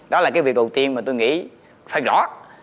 đó là cái việc đầu tiên mà tôi nghĩ phải rõ